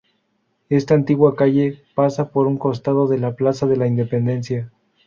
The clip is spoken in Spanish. Esta antigua calle, pasa por un costado de la Plaza de la Independencia.